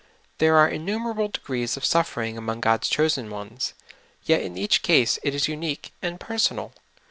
There are innumerable de grees of suffering among God's chosen ones, yet in each case it is unique and personal.